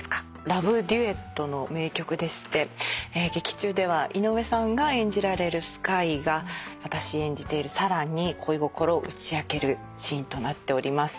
ラブデュエットの名曲でして劇中では井上さんが演じられるスカイが私演じているサラに恋心を打ち明けるシーンとなっております。